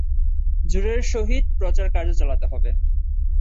জোরের সহিত প্রচারকার্য চালাতে হবে।